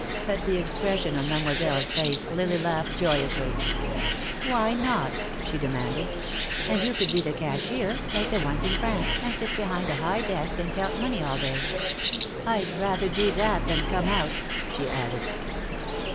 At the expression on Mademoiselle's face Lily laughed joyously. "Why not?" she demanded. "And you could be the cashier, like the ones in France, and sit behind a high desk and count money all day. I'd rather do that than come out," she added.